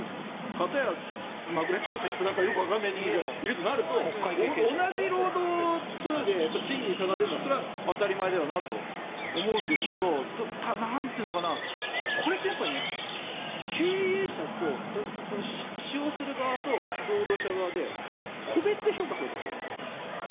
片やまぐれ当選したよくわからない人間がいるとなると同じ労働で賃金に差が出るのは当たり前だよなと思うんですけどこれって経営者、使用する側と労働者側で個別で評価するわけでしょ。